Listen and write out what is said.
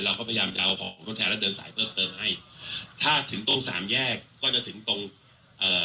เราก็พยายามจะเอาของทดแทนแล้วเดินสายเพิ่มเติมให้ถ้าถึงตรงสามแยกก็จะถึงตรงเอ่อ